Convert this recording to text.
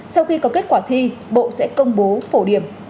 sau khi có kết quả thi bộ sẽ công bố phổ điểm